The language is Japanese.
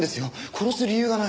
殺す理由がない。